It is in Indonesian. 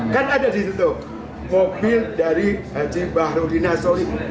kan ada di situ mobil dari haji bahru dinasori